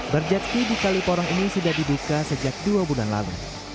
berjekti di kaliporong ini sudah dibuka sejak dua bulan lalu